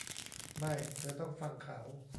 ไม่ เธอต้องฟังเขา